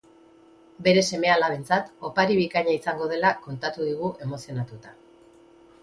Bere seme-alabentzat opari bikaina izango dela kontatu digu emozionatuta.